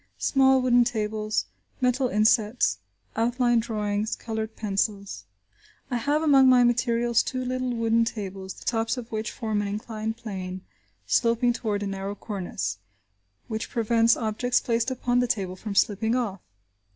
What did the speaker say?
Small wooden tables; metal insets, outline drawings, coloured pencils. I have among my materials two little wooden tables, the tops of which form an inclined plane sloping toward a narrow cornice, which prevents objects placed upon the table from slipping off.